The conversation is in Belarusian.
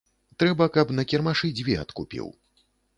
Трэба, каб на кірмашы дзве адкупіў.